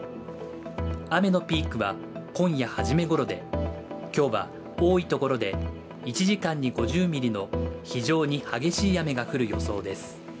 雨のピークは今夜初めごろで今日は多いところで１時間に５０ミリの非常に激しい雨が降る予想です。